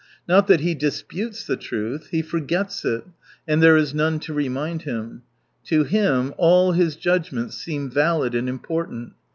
Not that he disputes the truth : he forgets it, and there is none to remind him. To him all his judgments seem valid and important.